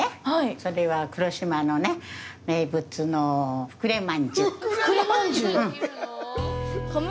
それは黒島のね名物のふくれまんじゅう。